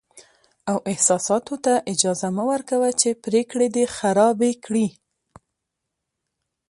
او احساساتو ته اجازه مه ورکوه چې پرېکړې دې خرابې کړي.